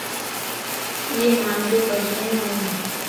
ايي مانجو ڪزنيون ون